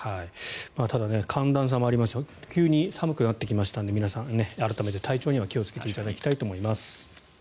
ただ、寒暖差もありますし急に寒くなってきたので皆さん、改めて体調には気をつけていただきたいと思います。